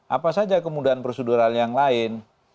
apa saja kemudahan prosedural yang lain